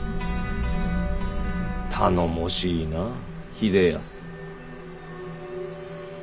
頼もしいな秀康。